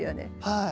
はい。